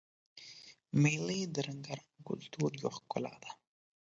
مېلې د رنګارنګ کلتور یوه ښکلا ده.